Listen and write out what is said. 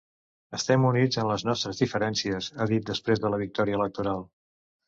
Estem units en les nostres diferències, ha dit després de la victòria electoral.